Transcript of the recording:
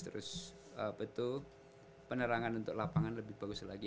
terus penerangan untuk lapangan lebih bagus lagi